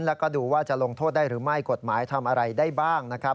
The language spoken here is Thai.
แล้วก็ดูว่าจะลงโทษได้หรือไม่กฎหมายทำอะไรได้บ้างนะครับ